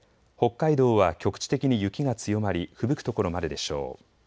北海道は局地的に雪が強まりふぶく所もあるでしょう。